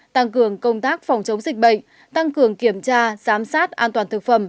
tăng cường công tác phòng chống dịch bệnh tăng cường kiểm tra giám sát an toàn thực phẩm